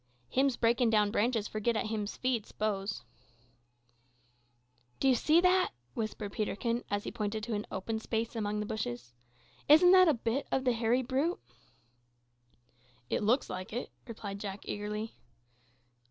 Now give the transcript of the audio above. "Him's breakin' down branches for git at him's feed, s'pose." "Do you see that?" whispered Peterkin, as he pointed to an open space among the bushes. "Isn't that a bit o' the hairy brute?" "It looks like it," replied Jack eagerly.